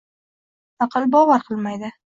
Aql bovar qilmaydi!